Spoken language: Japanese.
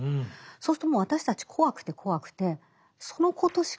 そうするともう私たち怖くて怖くてそのことしか考えられなくなった。